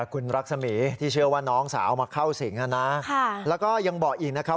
คุณรักษมีที่เชื่อว่าน้องสาวมาเข้าสิงนะแล้วก็ยังบอกอีกนะครับ